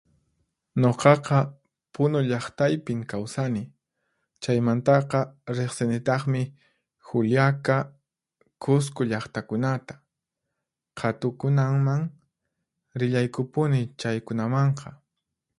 Nuqaqa Punu llaqtaypin kawsani. Chaymantaqa riqsinitaqmi Juliaca, Qusqu llaqtakunata, qhatukunanman rillaykupuni chaykunamanqa.